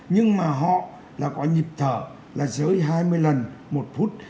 nhưng mà họ là có nhịp thở là dưới hai mươi lần một phút